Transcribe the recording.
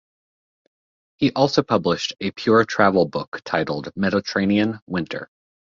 He also published a pure travel book titled Mediterranean Winter.